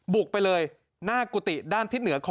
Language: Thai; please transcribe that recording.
บุกไปเลยหน้ากุฏิด้านทกนี้เหนือ